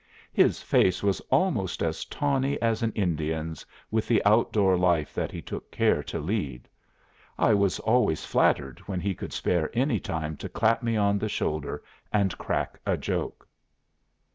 His face was almost as tawny as an Indian's with the outdoor life that he took care to lead. I was always flattered when he could spare any time to clap me on the shoulder and crack a joke."